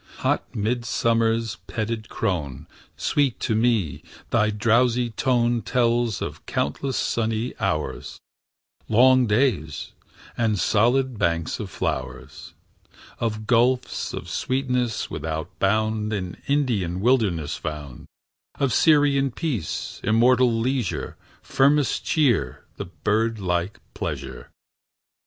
Hot midsummer's petted crone, Sweet to me thy drowsy tone Tells of countless sunny hours, Long days, and solid banks of flowers; Of gulfs of sweetness without bound In Indian wildernesses found; Of Syrian peace, immortal leisure, Firmest cheer, and birdlike pleasure.